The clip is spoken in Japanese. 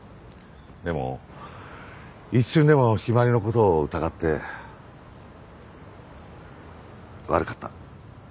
でも一瞬でも陽葵の事を疑って悪かった。